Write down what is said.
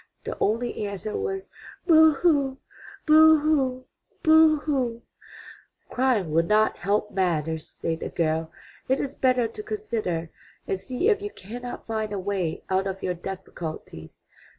The only answer was, "Boo hoo! Boo hoo! Boo hoo!" "Crying will not help matters," said the girl. "It is better to consider and see if you cannot find a way out of your difficulties.